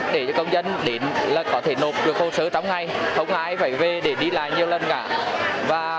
để cho công dân có thể nộp được hộ sơ trong ngày không ai phải về để đi lại nhiều lần cả